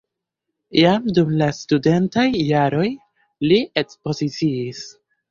Jam dum la studentaj jaroj li ekspoziciis.